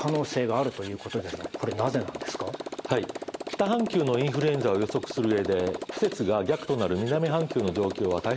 北半球のインフルエンザを予測する上で季節が逆となる南半球の状況は大変参考になります。